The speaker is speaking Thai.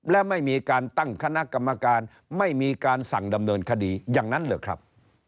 และไม่มีการตั้งคณะกรรมการไม่มีการสั่งดำเนินคดีอย่างนั้นเหรอครับ